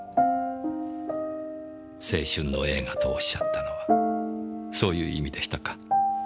青春の映画とおっしゃったのはそういう意味でしたか。